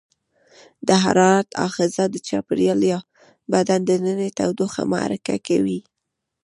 د حرارت آخذه د چاپیریال یا بدن دننۍ تودوخه محرک کوي.